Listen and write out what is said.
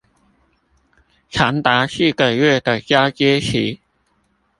長達四個月的交接期